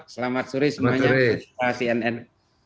selamat sore semuanya